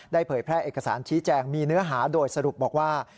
เผยแพร่เอกสารชี้แจงมีเนื้อหาโดยสรุปบอกว่า